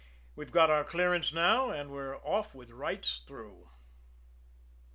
We've got our "clearance" now, and we're off with "rights" through.